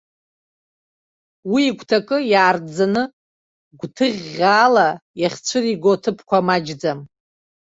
Уи игәҭакы иаартӡаны, гәҭыӷьӷьаала иахьцәыриго аҭыԥқәа маҷӡам.